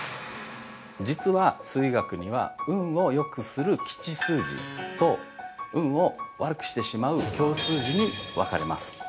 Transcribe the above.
◆実は、数意学には運をよくする吉数字と運を悪くしてしまう凶数字に分かれます。